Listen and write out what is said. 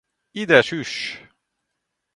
Ide süss!